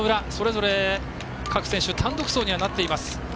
それぞれ各選手単独走にはなっています。